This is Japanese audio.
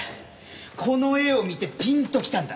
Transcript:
この絵を見てピンときたんだ。